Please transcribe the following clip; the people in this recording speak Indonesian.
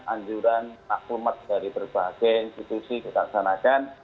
anjuran maklumat dari berbagai institusi kita laksanakan